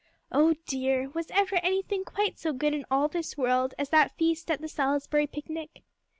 Oh dear! was ever anything quite so good in all this world as that feast at the "Salisbury picnic!"